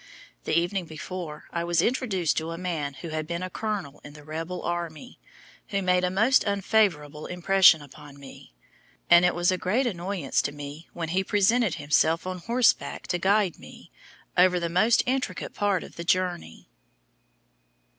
The evening before I was introduced to a man who had been a colonel in the rebel army, who made a most unfavorable impression upon me, and it was a great annoyance to me when he presented himself on horse back to guide me "over the most intricate part of the journey."